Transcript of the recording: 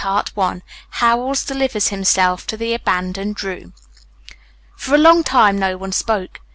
CHAPTER III HOWELLS DELIVERS HIMSELF TO THE ABANDONED ROOM For a long time no one spoke.